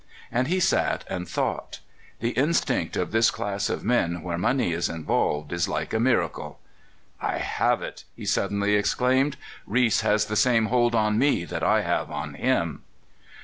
And he sat and thought. The instinct of this class of men where money is involved is like a miracle. "1 have it! " he suddenly exclaimed; " Reese has the same hold on me that I have on him."